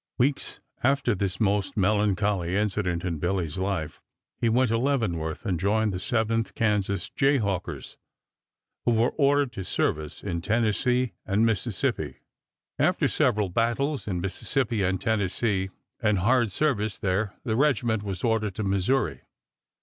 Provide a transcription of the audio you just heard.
Weeks after this most melancholy incident in Billy's life he went to Leavenworth and joined the Seventh Kansas Jayhawkers, who were ordered to service in Tennessee and Mississippi. After several battles in Mississippi and Tennessee and hard service there the regiment was ordered to Missouri.